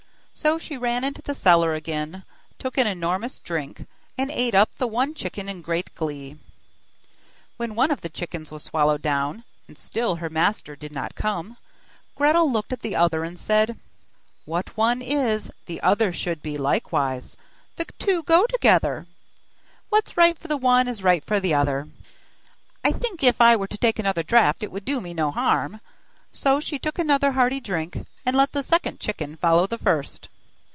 So she ran into the cellar again, took an enormous drink and ate up the one chicken in great glee. When one of the chickens was swallowed down, and still her master did not come, Gretel looked at the other and said: 'What one is, the other should be likewise, the two go together; what's right for the one is right for the other; I think if I were to take another draught it would do me no harm.' So she took another hearty drink, and let the second chicken follow the first.